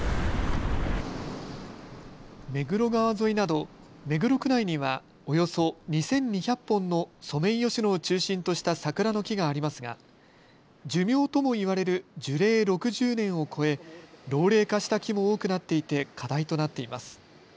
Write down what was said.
目黒川沿いなど目黒区内にはおよそ２２００本のソメイヨシノを中心とした桜の木がありますが寿命とも言われる樹齢６０年を超え老齢化した木も多くなっていて課題となっています。